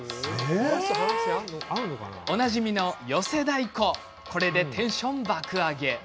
おなじみの寄せ太鼓でテンション爆上げ。